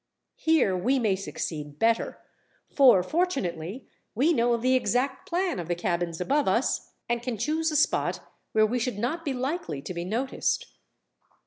Here we may succeed better, for fortunately we know the exact plan of the cabins above us, and can choose a spot where we should not be likely to be noticed."